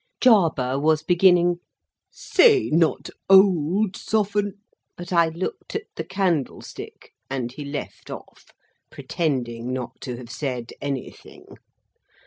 Jarber was beginning: "Say, not old, Sophon—" but I looked at the candlestick, and he left off; pretending not to have said anything.